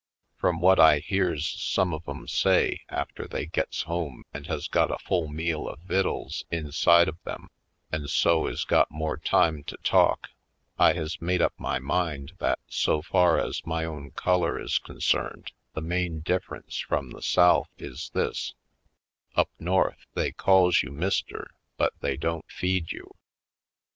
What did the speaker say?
From what I hears some of 'em say after they gets home and has got a full meal of vittles in side of them, and so is got more time to talk, I has made up my mind that so far as my own color is concerned, the main dif ference from the South is this: Up North they calls you "Mister" but they don't feed you!